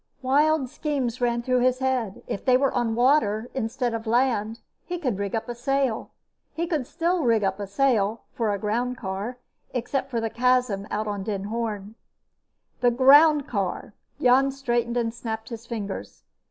Wild schemes ran through his head. If they were on water, instead of land, he could rig up a sail. He could still rig up a sail, for a groundcar, except for the chasm out on Den Hoorn. The groundcar! Jan straightened and snapped his fingers.